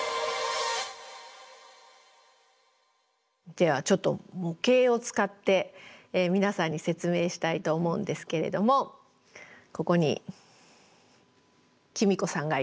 ではちょっと模型を使って皆さんに説明したいと思うんですけれどもここに公子さんがいます。